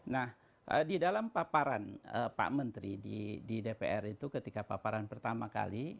nah di dalam paparan pak menteri di dpr itu ketika paparan pertama kali